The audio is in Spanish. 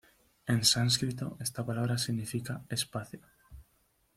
En sánscrito esta palabra significa "espacio".